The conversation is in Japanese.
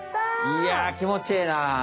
いやきもちええな。